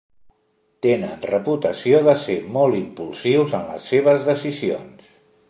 Tenen reputació de ser molt impulsius en les seves decisions.